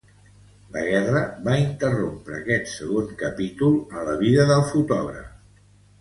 La guerra va interrompre este segon capítol a la vida del fotògraf.